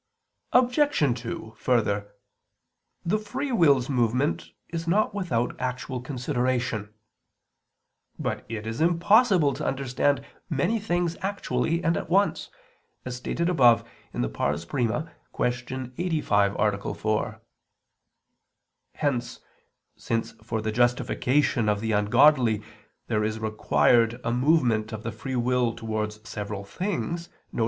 Obj. 2: Further, the free will's movement is not without actual consideration. But it is impossible to understand many things actually and at once, as stated above (I, Q. 85, A. 4). Hence, since for the justification of the ungodly there is required a movement of the free will towards several things, viz.